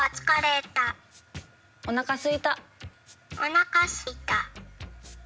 おなかすいた。